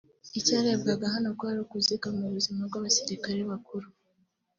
Icyarebwaga hano kwari ukuzigama ubuzima bw’abasirikare bakuru